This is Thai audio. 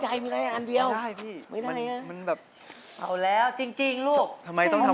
เก่งมากเหอะเอาแล้วมากเลยอีกเพียงค่ะ